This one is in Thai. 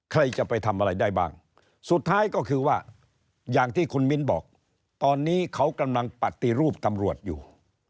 ใครจะไปทำอะไรได้บ้างสุดท้ายก็คือว่าอย่างที่คุณมิ้นบอกตอนนี้เขากำลังปฏิรูปตำรวจอยู่